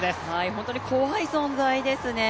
本当に怖い存在ですね。